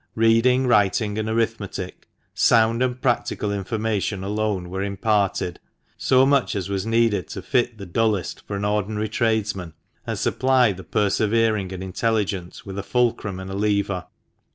Reading, writing, and arithmetic, sound and practical information alone were imparted, so much as was needed to fit the dullest for an ordinary tradesman, and supply the persevering and intelligent with a fulcrum and a lever.